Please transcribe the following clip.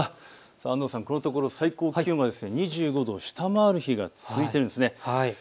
安藤さん、このところ、最高気温が２５度を下回る日が続いているんです。